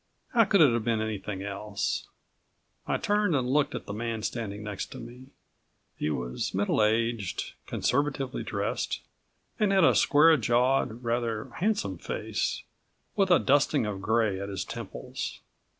How could it have been anything else? I turned and looked at the man standing next to me. He was middle aged, conservatively dressed, and had a square jawed, rather handsome face, with a dusting of gray at his temples.